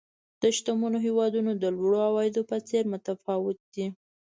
د شتمنو هېوادونو د لوړو عوایدو په څېر متفاوت دي.